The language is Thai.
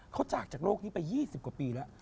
เขาจากจากโลกนี้ไป๒๐กว่าปีแล้ว